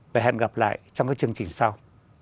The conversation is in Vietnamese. và hẹn gặp lại trong các chương trình sau